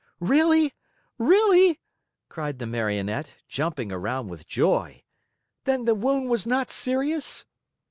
"Really? Really?" cried the Marionette, jumping around with joy. "Then the wound was not serious?"